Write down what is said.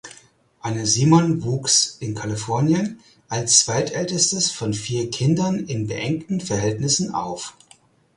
Anne Simon wuchs in Kalifornien als zweitältestes von vier Kindern in beengten Verhältnissen auf.